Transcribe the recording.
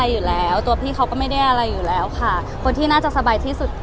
อยู่แล้วตัวพี่เขาก็ไม่ได้อะไรอยู่แล้วค่ะคนที่น่าจะสบายที่สุด